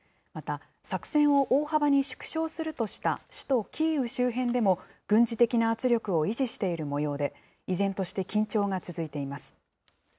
また、作戦を大幅に縮小するとした首都キーウ周辺でも、軍事的な圧力を維持しているもようで、依然として緊張が続いています。